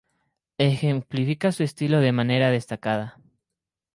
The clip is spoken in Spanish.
Ejemplifica su estilo de manera destacada.